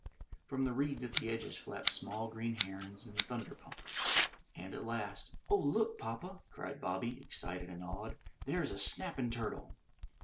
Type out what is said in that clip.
From the reeds at the edges flapped small green herons and thunder pumpers. And at last *'0h, look, papa!*' cried Bobby, excited and awed. "There's a snap'n' turtle!"